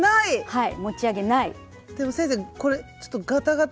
はい。